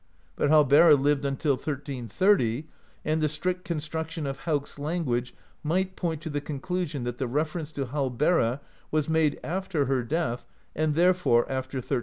But Hallbera lived until 1330, and the strict construction of Hauk's language might point to the con clusion that the reference to Hallbera was made after her death, and therefore after 1330.